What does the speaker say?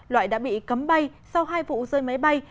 loại đã bị cấm bay sau hai vụ rơi máy bay